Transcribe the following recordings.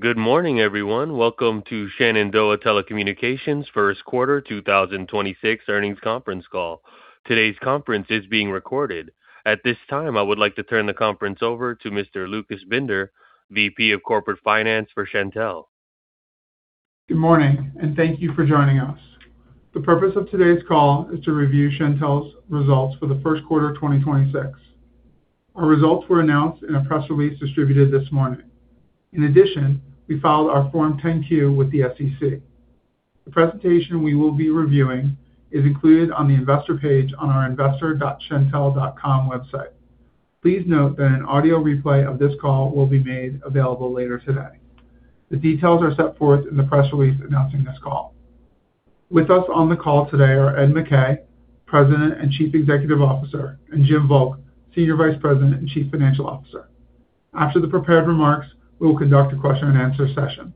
Good morning, everyone. Welcome to Shenandoah Telecommunications first quarter 2026 earnings conference call. Today's conference is being recorded. At this time, I would like to turn the conference over to Mr. Lucas Binder, VP of Corporate Finance for Shentel. Good morning, and thank you for joining us. The purpose of today's call is to review Shentel's results for the first quarter of 2026. Our results were announced in a press release distributed this morning. In addition, we filed our Form 10-Q with the SEC. The presentation we will be reviewing is included on the investor page on our investor.shentel.com website. Please note that an audio replay of this call will be made available later today. The details are set forth in the press release announcing this call. With us on the call today are Ed McKay, President and Chief Executive Officer, and Jim Volk, Senior Vice President and Chief Financial Officer. After the prepared remarks, we will conduct a question-and-answer session.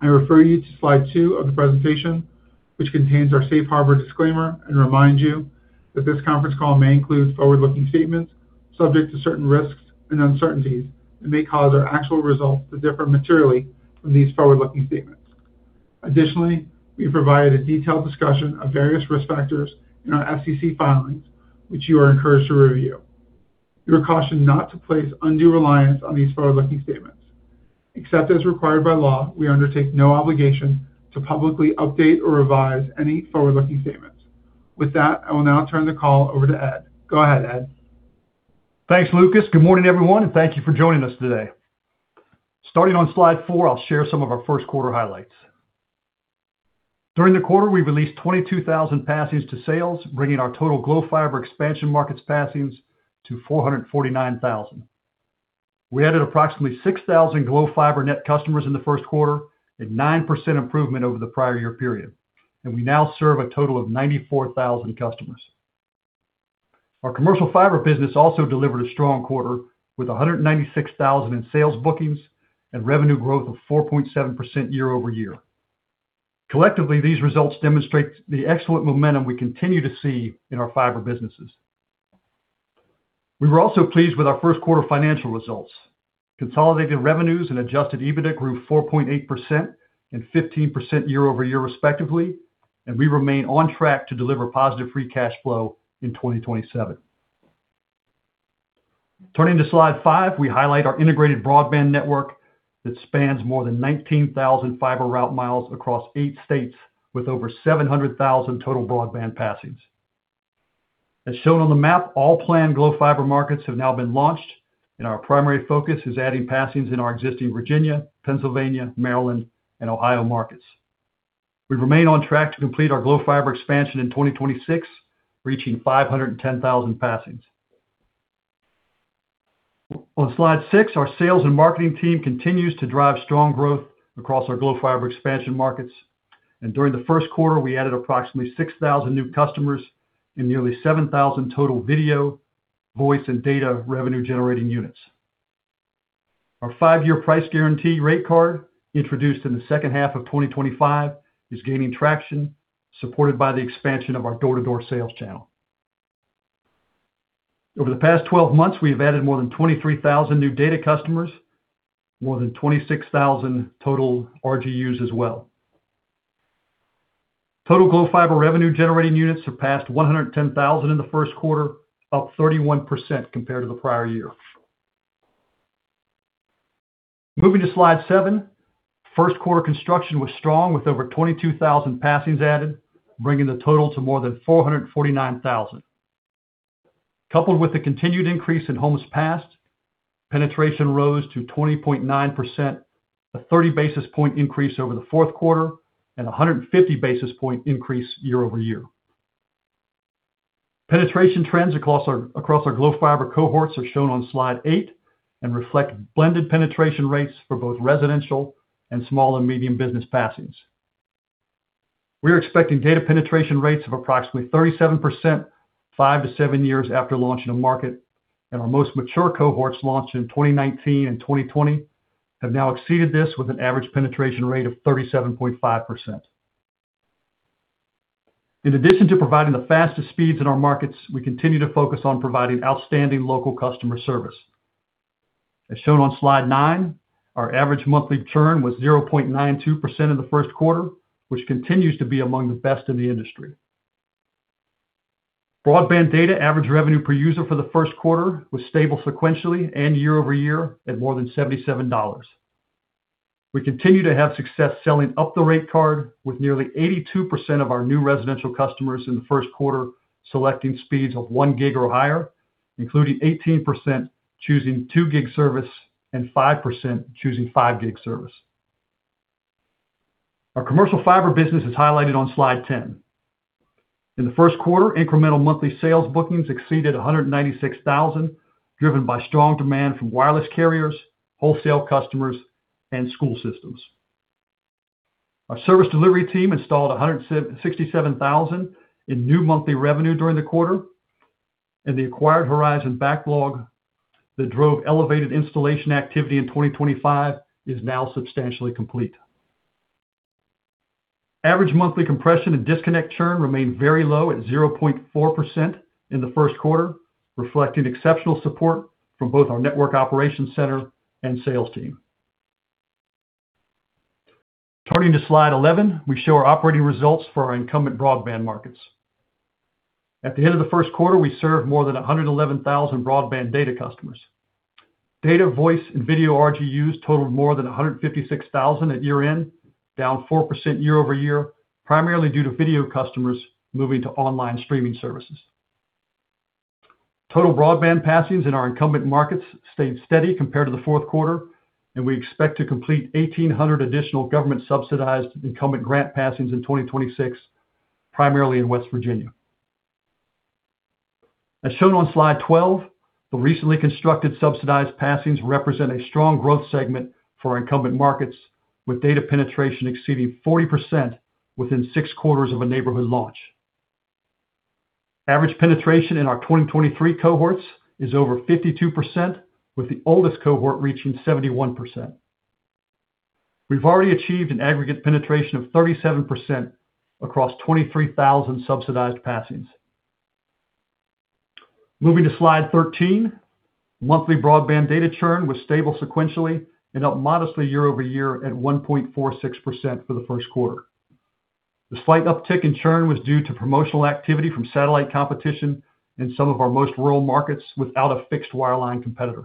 I refer you to slide two of the presentation, which contains our safe harbor disclaimer and remind you that this conference call may include forward-looking statements subject to certain risks and uncertainties that may cause our actual results to differ materially from these forward-looking statements. Additionally, we have provided a detailed discussion of various risk factors in our SEC filings, which you are encouraged to review. You are cautioned not to place undue reliance on these forward-looking statements. Except as required by law, we undertake no obligation to publicly update or revise any forward-looking statements. With that, I will now turn the call over to Ed. Go ahead, Ed. Thanks, Lucas. Good morning, everyone. Thank you for joining us today. Starting on slide four, I'll share some of our first quarter highlights. During the quarter, we released 22,000 passings to sales, bringing our total Glo Fiber expansion markets passings to 449,000. We added approximately 6,000 Glo Fiber net customers in the first quarter, a 9% improvement over the prior year period. We now serve a total of 94,000 customers. Our commercial fiber business also delivered a strong quarter with $196,000 in sales bookings and revenue growth of 4.7% year-over-year. Collectively, these results demonstrate the excellent momentum we continue to see in our fiber businesses. We were also pleased with our first quarter financial results. Consolidated revenues and adjusted EBITDA grew 4.8% and 15% year-over-year respectively. We remain on track to deliver positive free cash flow in 2027. Turning to slide five, we highlight our integrated broadband network that spans more than 19,000 fiber route miles across eight states with over 700,000 total broadband passings. As shown on the map, all planned Glo Fiber markets have now been launched. Our primary focus is adding passings in our existing Virginia, Pennsylvania, Maryland, and Ohio markets. We remain on track to complete our Glo Fiber expansion in 2026, reaching 510,000 passings. On slide six, our sales and marketing team continues to drive strong growth across our Glo Fiber expansion markets, and during the first quarter, we added approximately 6,000 new customers and nearly 7,000 total video, voice, and data revenue generating units. Our five-year price guarantee rate card, introduced in the second half of 2025, is gaining traction, supported by the expansion of our door-to-door sales channel. Over the past 12 months, we have added more than 23,000 new data customers, more than 26,000 total RGUs as well. Total Glo Fiber revenue generating units surpassed 110,000 in the first quarter, up 31% compared to the prior year. Moving to slide seven, first quarter construction was strong with over 22,000 passings added, bringing the total to more than 449,000. Coupled with the continued increase in homes passed, penetration rose to 20.9%, a 30 basis point increase over the fourth quarter and a 150 basis point increase year-over-year. Penetration trends across our Glo Fiber cohorts are shown on slide eight and reflect blended penetration rates for both residential and small and medium business passings. We are expecting data penetration rates of approximately 37% five to seven years after launching a market, and our most mature cohorts launched in 2019 and 2020 have now exceeded this with an average penetration rate of 37.5%. In addition to providing the fastest speeds in our markets, we continue to focus on providing outstanding local customer service. As shown on slide nine, our average monthly churn was 0.92% in the first quarter, which continues to be among the best in the industry. Broadband data average revenue per user for the first quarter was stable sequentially and year-over-year at more than $77. We continue to have success selling up the rate card with nearly 82% of our new residential customers in the first quarter selecting speeds of 1 gig or higher, including 18% choosing 2 gig service and 5% choosing 5 gig service. Our commercial fiber business is highlighted on slide 10. In the first quarter, incremental monthly sales bookings exceeded $196,000, driven by strong demand from wireless carriers, wholesale customers, and school systems. Our service delivery team installed $167,000 in new monthly revenue during the quarter, and the acquired Horizon backlog that drove elevated installation activity in 2025 is now substantially complete. Average monthly compression and disconnect churn remained very low at 0.4% in the first quarter, reflecting exceptional support from both our network operations center and sales team. Turning to slide 11, we show our operating results for our incumbent broadband markets. At the end of the first quarter, we served more than 111,000 broadband data customers. Data, voice, and video RGUs totaled more than 156,000 at year-end, down 4% year-over-year, primarily due to video customers moving to online streaming services. Total broadband passings in our incumbent markets stayed steady compared to the fourth quarter, and we expect to complete 1,800 additional government subsidized incumbent grant passings in 2026, primarily in West Virginia. As shown on slide 12, the recently constructed subsidized passings represent a strong growth segment for our incumbent markets, with data penetration exceeding 40% within six quarters of a neighborhood launch. Average penetration in our 2023 cohorts is over 52%, with the oldest cohort reaching 71%. We've already achieved an aggregate penetration of 37% across 23,000 subsidized passings. Moving to slide 13, monthly broadband data churn was stable sequentially and up modestly year-over-year at 1.46% for the first quarter. The slight uptick in churn was due to promotional activity from satellite competition in some of our most rural markets without a fixed wireline competitor.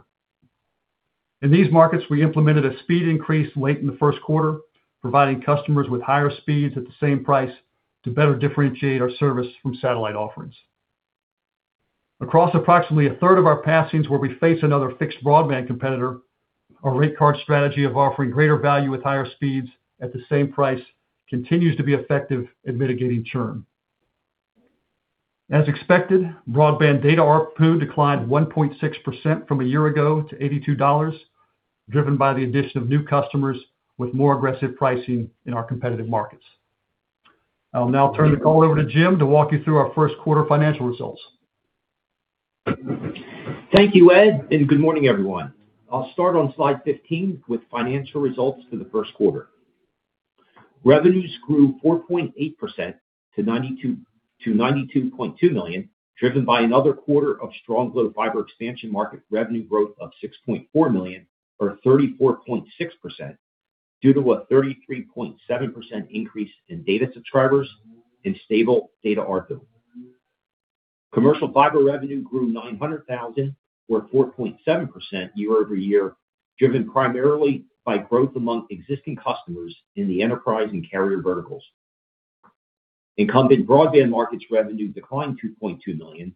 In these markets, we implemented a speed increase late in the first quarter, providing customers with higher speeds at the same price to better differentiate our service from satellite offerings. Across approximately 1/3 of our passings where we face another fixed broadband competitor, our rate card strategy of offering greater value with higher speeds at the same price continues to be effective in mitigating churn. As expected, broadband data ARPU declined 1.6% from a year ago to $82, driven by the addition of new customers with more aggressive pricing in our competitive markets. I'll now turn the call over to Jim to walk you through our first quarter financial results. Thank you, Ed. Good morning, everyone. I'll start on slide 15 with financial results for the first quarter. Revenues grew 4.8% to $92.2 million, driven by another quarter of strong Glo Fiber expansion market revenue growth of $6.4 million, or 34.6%, due to a 33.7% increase in data subscribers and stable data ARPU. Commercial fiber revenue grew $900,000, or 4.7% year-over-year, driven primarily by growth among existing customers in the enterprise and carrier verticals. Incumbent broadband markets revenue declined $2.2 million,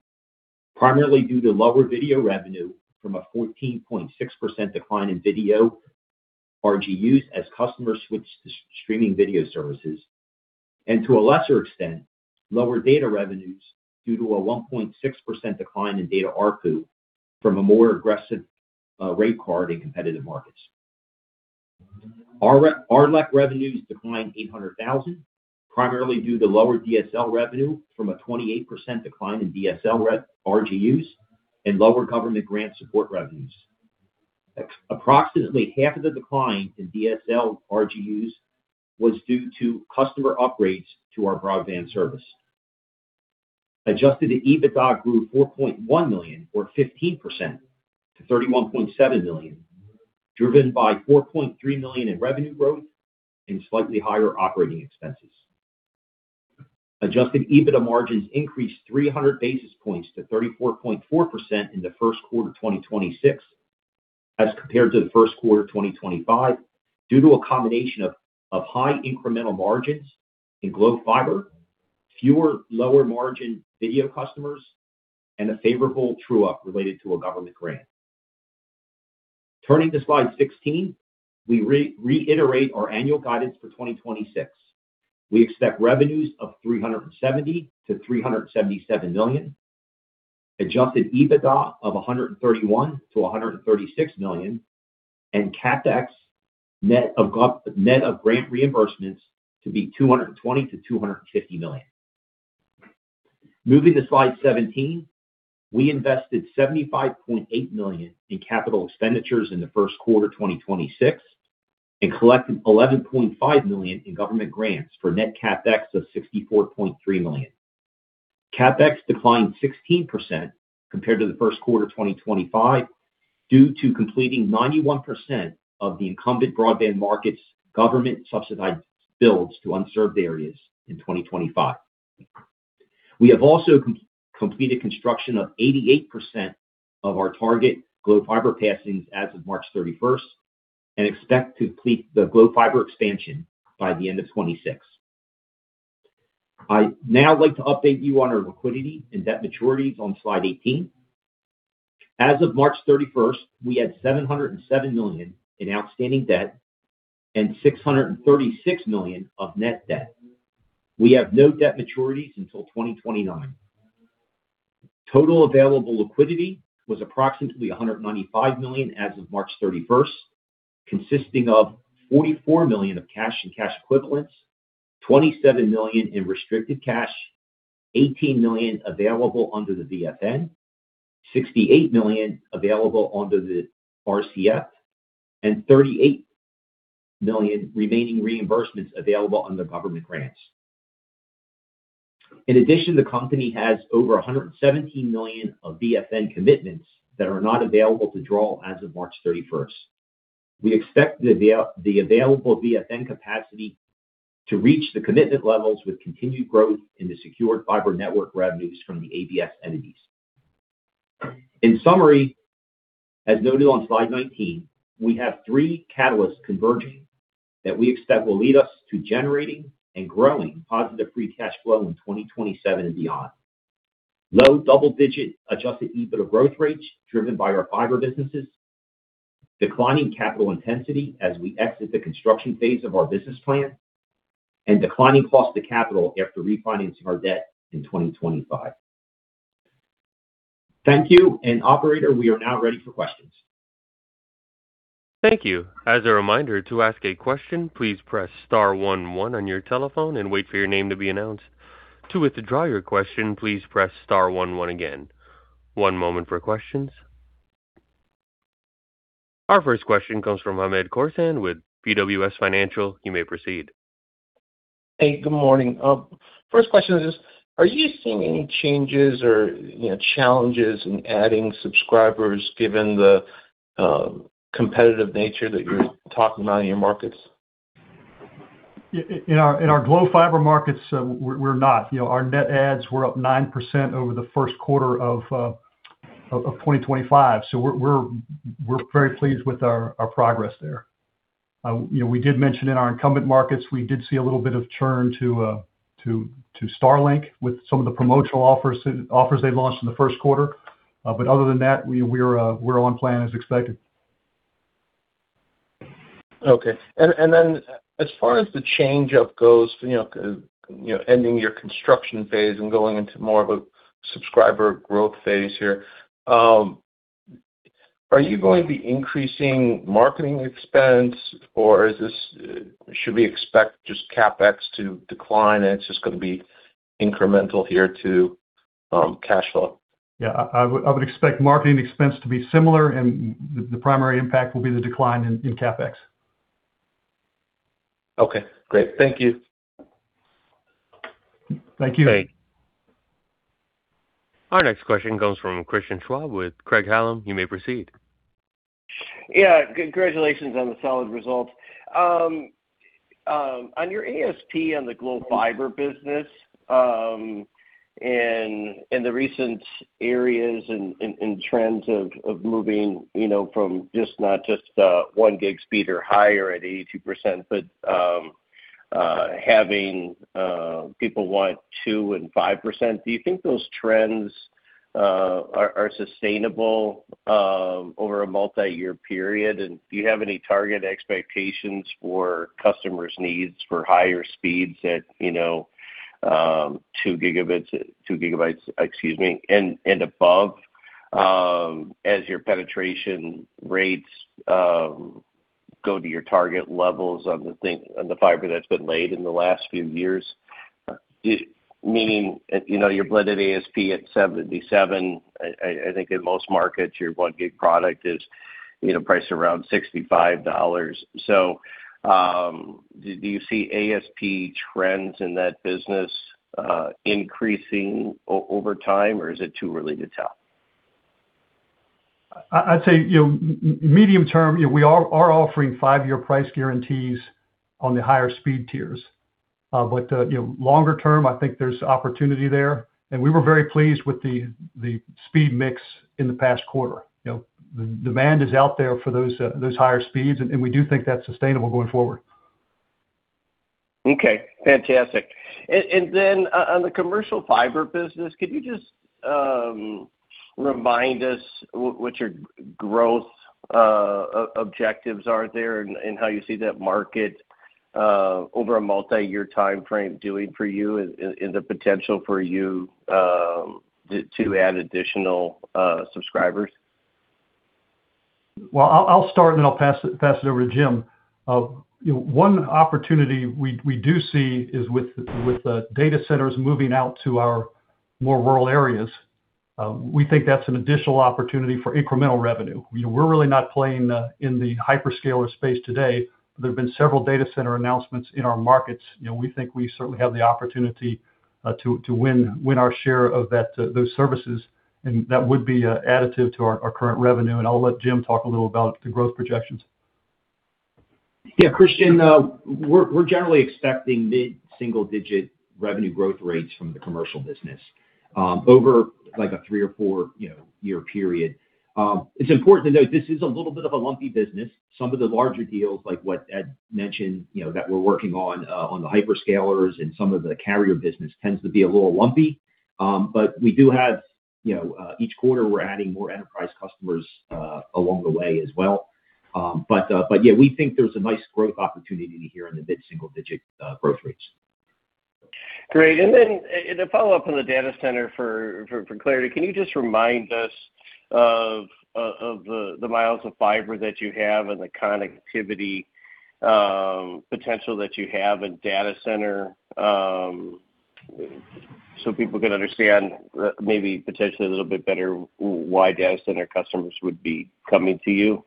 primarily due to lower video revenue from a 14.6% decline in video RGUs as customers switched to streaming video services, and to a lesser extent, lower data revenues due to a 1.6% decline in data ARPU from a more aggressive rate card in competitive markets. RLEC revenues declined $800,000, primarily due to lower DSL revenue from a 28% decline in DSL RGUs and lower government grant support revenues. Approximately half of the decline in DSL RGUs was due to customer upgrades to our broadband service. Adjusted EBITDA grew $4.1 million, or 15%, to $31.7 million, driven by $4.3 million in revenue growth and slightly higher operating expenses. Adjusted EBITDA margins increased 300 basis points to 34.4% in the first quarter of 2026 as compared to the first quarter of 2025 due to a combination of high incremental margins in Glo Fiber, fewer lower margin video customers, and a favorable true-up related to a government grant. Turning to slide 16, we reiterate our annual guidance for 2026. We expect revenues of $370 million-$377 million, adjusted EBITDA of $131 million-$136 million, and CapEx net of grant reimbursements to be $220 million-$250 million. Moving to slide 17, we invested $75.8 million in capital expenditures in the first quarter of 2026 and collected $11.5 million in government grants for net CapEx of $64.3 million. CapEx declined 16% compared to the first quarter of 2025 due to completing 91% of the incumbent broadband markets government subsidized builds to unserved areas in 2025. We have also completed construction of 88% of our target Glo Fiber passings as of March 31st and expect to complete the Glo Fiber expansion by the end of 2026. I'd now like to update you on our liquidity and debt maturities on slide 18. As of March 31st, we had $707 million in outstanding debt and $636 million of net debt. We have no debt maturities until 2029. Total available liquidity was approximately $195 million as of March 31st, consisting of $44 million of cash and cash equivalents, $27 million in restricted cash, $18 million available under the VFN, $68 million available under the RCF and $38 million remaining reimbursements available under government grants. In addition, the company has over $117 million of VFN commitments that are not available to draw as of March 31st. We expect the available VFN capacity to reach the commitment levels with continued growth in the secured fiber network revenues from the ABS entities. In summary, as noted on slide 19, we have three catalysts converging that we expect will lead us to generating and growing positive free cash flow in 2027 and beyond. Low double-digit adjusted EBITDA growth rates driven by our fiber businesses, declining capital intensity as we exit the construction phase of our business plan, and declining cost of capital after refinancing our debt in 2025. Thank you. Operator, we are now ready for questions. Thank you. As a reminder, to ask a question, please press star one one on your telephone and wait for your name to be announced. To withdraw your question, please press star one one again. One moment for questions. Our first question comes from Hamed Khorsand with BWS Financial. You may proceed. Hey, good morning. First question is, are you seeing any changes or, you know, challenges in adding subscribers given the competitive nature that you're talking about in your markets? In our Glo Fiber markets, we're not. You know, our net adds were up 9% over the first quarter of 2025. We're very pleased with our progress there. You know, we did mention in our incumbent markets, we did see a little bit of churn to Starlink with some of the promotional offers they launched in the first quarter. Other than that, we're on plan as expected. Okay. As far as the changeup goes, you know, you know, ending your construction phase and going into more of a subscriber growth phase here, are you going to be increasing marketing expense, or should we expect just CapEx to decline, and it's just gonna be incremental here to cash flow? I would expect marketing expense to be similar, and the primary impact will be the decline in CapEx. Okay, great. Thank you. Thank you. Thanks. Our next question comes from Christian Schwab with Craig-Hallum. You may proceed. Yeah. Congratulations on the solid results. On your ASP on the Glo Fiber business, and in the recent areas and trends of moving, you know, from not just 1 gig speed or higher at 82%, but having people want 2% and 5%, do you think those trends are sustainable over a multiyear period? Do you have any target expectations for customers' needs for higher speeds at, you know, 2 Gb-- 2 GB, excuse me, and above, as your penetration rates go to your target levels on the fiber that's been laid in the last few years? Meaning, you know, your blended ASP at 77, I think in most markets, your 1 gig product is, you know, priced around $65. Do you see ASP trends in that business, increasing over time, or is it too early to tell? I'd say, you know, medium term, you know, we are offering five-year price guarantees on the higher speed tiers. But, you know, longer term, I think there's opportunity there. We were very pleased with the speed mix in the past quarter. You know, the demand is out there for those higher speeds, and we do think that's sustainable going forward. Okay, fantastic. Then on the commercial fiber business, could you just remind us what your growth objectives are there and how you see that market over a multiyear timeframe doing for you and the potential for you to add additional subscribers? Well, I'll start and then I'll pass it over to Jim. You know, one opportunity we do see is with the data centers moving out to our more rural areas. We think that's an additional opportunity for incremental revenue. You know, we're really not playing in the hyperscaler space today. There have been several data center announcements in our markets. You know, we think we certainly have the opportunity to win our share of those services, and that would be additive to our current revenue. I'll let Jim talk a little about the growth projections. Yeah, Christian, we're generally expecting mid-single digit revenue growth rates from the commercial business over like a 3% or 4%, you know, year period. It's important to note this is a little bit of a lumpy business. Some of the larger deals, like what Ed mentioned, you know, that we're working on the hyperscalers and some of the carrier business tends to be a little lumpy. We do have, you know, each quarter, we're adding more enterprise customers along the way as well. Yeah, we think there's a nice growth opportunity here in the mid-single digit growth rates. Great. In a follow-up on the data center for clarity, can you just remind us of the miles of fiber that you have and the connectivity potential that you have in data center? People can understand maybe potentially a little bit better why data center customers would be coming to you.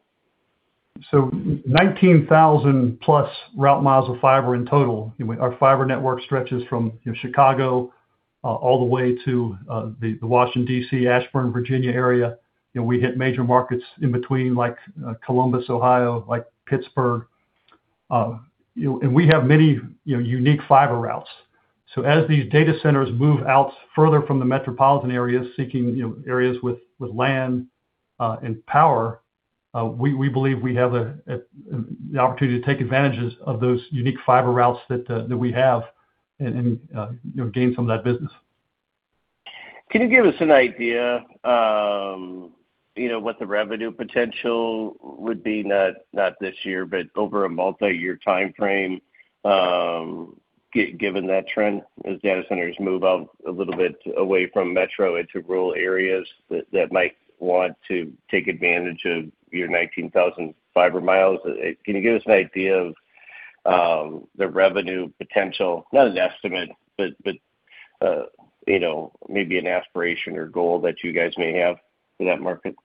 19,000+ route miles of fiber in total. Our fiber network stretches from Chicago, all the way to the Washington D.C., Ashburn, Virginia, area. We hit major markets in between like Columbus, Ohio, like Pittsburgh. We have many unique fiber routes. As these data centers move out further from the metropolitan areas seeking areas with land and power, we believe we have the opportunity to take advantages of those unique fiber routes that we have and gain some of that business. Can you give us an idea, you know, what the revenue potential would be, not this year, but over a multiyear timeframe, given that trend as data centers move out a little bit away from metro into rural areas that might want to take advantage of your 19,000 fiber miles? Can you give us an idea of the revenue potential? Not an estimate, but, you know, maybe an aspiration or goal that you guys may have for that market?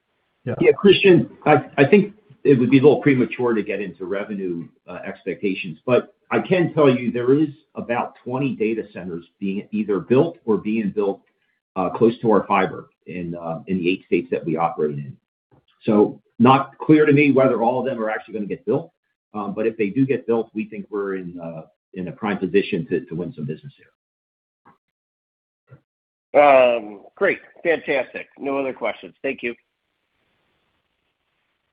Yeah. Yeah, Christian, I think it would be a little premature to get into revenue expectations. I can tell you there is about 20 data centers being either built or built close to our fiber in the eight states that we operate in. Not clear to me whether all of them are actually gonna get built. If they do get built, we think we're in a prime position to win some business here. Great. Fantastic. No other questions. Thank you.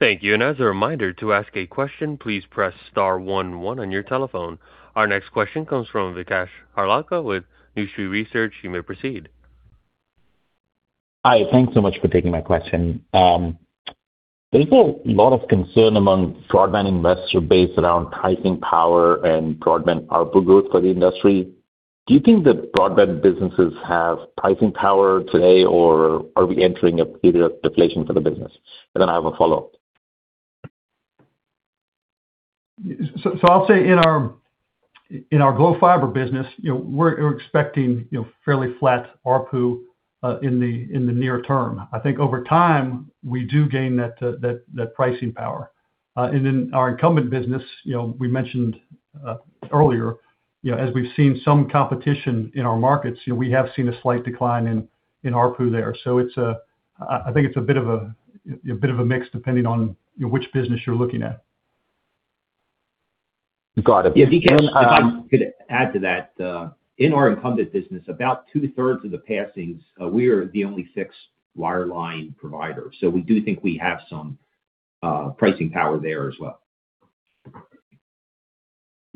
Thank you. As a reminder, to ask a question, please press star one one on your telephone. Our next question comes from Vikash Harlalka with New Street Research. You may proceed. Hi. Thanks so much for taking my question. There's a lot of concern among broadband investor base around pricing power and broadband ARPU growth for the industry. Do you think that broadband businesses have pricing power today, or are we entering a period of deflation for the business? I have a follow-up. I'll say in our Glo Fiber business, you know, we're expecting, you know, fairly flat ARPU in the near term. I think over time, we do gain that pricing power. And in our incumbent business, you know, we mentioned earlier, you know, as we've seen some competition in our markets, you know, we have seen a slight decline in ARPU there. I think it's a bit of a mix depending on, you know, which business you're looking at. Got it. Yeah, Vikash, if I could add to that. In our incumbent business, about 2/3 of the passings, we are the only fixed wireline provider. We do think we have some pricing power there as well.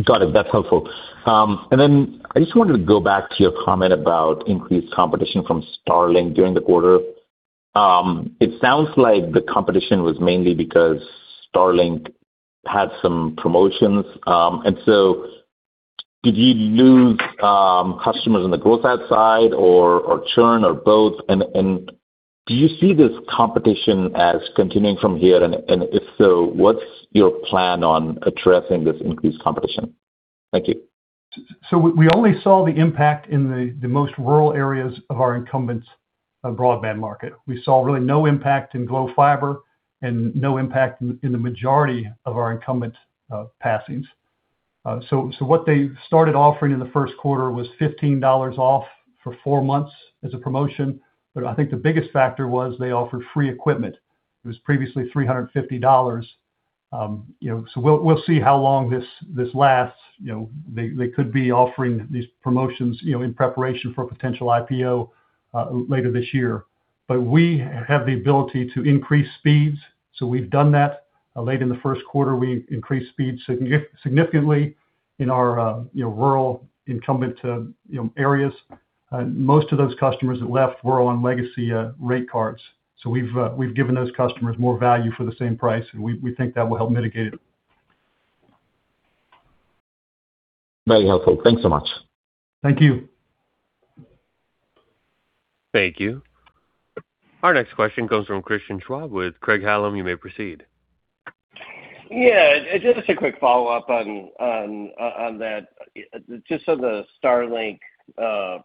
Got it. That's helpful. I just wanted to go back to your comment about increased competition from Starlink during the quarter. It sounds like the competition was mainly because Starlink had some promotions. Did you lose customers on the growth side or churn or both? Do you see this competition as continuing from here? If so, what's your plan on addressing this increased competition? Thank you. We only saw the impact in the most rural areas of our incumbents, broadband market. We saw really no impact in Glo Fiber and no impact in the majority of our incumbent passings. What they started offering in the first quarter was $15 off for four months as a promotion. I think the biggest factor was they offered free equipment. It was previously $350. You know, so we'll see how long this lasts. You know, they could be offering these promotions, you know, in preparation for a potential IPO later this year. We have the ability to increase speeds, so we've done that. Late in the first quarter, we increased speeds significantly in our, you know, rural incumbent, you know, areas. Most of those customers that left were on legacy rate cards. We've given those customers more value for the same price, and we think that will help mitigate it. Very helpful. Thanks so much. Thank you. Thank you. Our next question comes from Christian Schwab with Craig-Hallum. You may proceed. Yeah. Just a quick follow-up on that. Just on the Starlink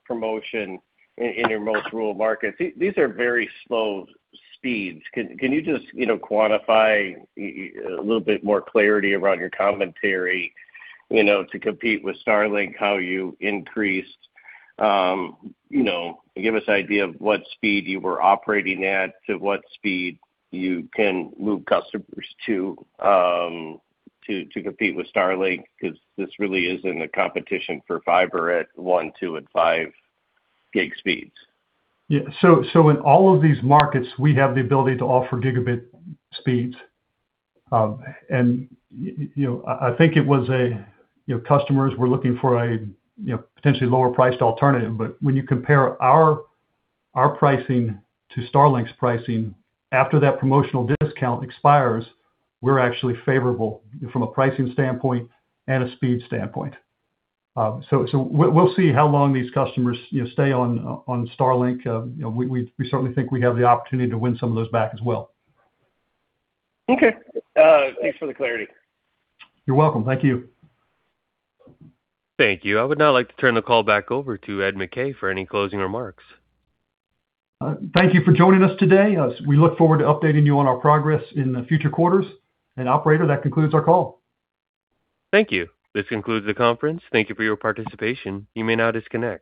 promotion in your most rural markets. These are very slow speeds. Can you just, you know, quantify a little bit more clarity around your commentary, you know, to compete with Starlink, how you increased, give us an idea of what speed you were operating at, to what speed you can move customers to compete with Starlink? 'Cause this really isn't a competition for fiber at 1 gig, 2 gig, and 5 gig speeds. Yeah. In all of these markets, we have the ability to offer gigabit speeds. You know, I think it was, you know, customers were looking for, you know, potentially lower priced alternative. When you compare our pricing to Starlink's pricing, after that promotional discount expires, we're actually favorable from a pricing standpoint and a speed standpoint. We'll see how long these customers, you know, stay on Starlink. You know, we certainly think we have the opportunity to win some of those back as well. Okay. Thanks for the clarity. You're welcome. Thank you. Thank you. I would now like to turn the call back over to Ed McKay for any closing remarks. Thank you for joining us today. We look forward to updating you on our progress in the future quarters. Operator, that concludes our call. Thank you. This concludes the conference. Thank you for your participation. You may now disconnect.